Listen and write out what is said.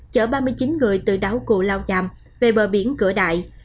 chở ba mươi chín người từ đáu cụ lao nhạm về bờ biển cửa đại